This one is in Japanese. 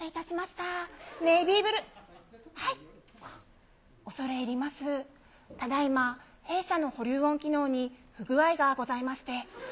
ただ今、弊社の保留音機能に不具合がございまして。